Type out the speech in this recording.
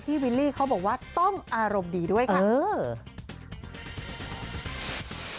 วิลลี่เขาบอกว่าต้องอารมณ์ดีด้วยค่ะ